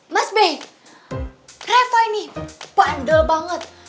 mas be reva ini bandel banget